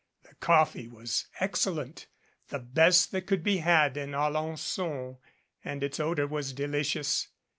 The coffee was excellent the best that could be had in Alencon, and its odor was delicious.